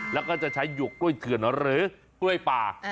และก็จะใช้หยวกปล้วยทื่นหรือปล้วยปล่า